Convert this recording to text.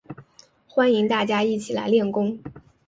欢迎大家一起来练功